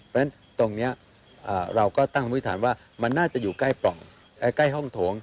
เพราะฉะนั้นตรงนี้เราก็ตั้งพื้นฐานว่ามันน่าจะอยู่ใกล้ห้องโถง